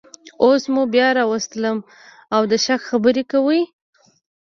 اوس مو بیا راوستلم او د شک خبرې کوئ